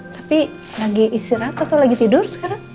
tapi lagi istirahat atau lagi tidur sekarang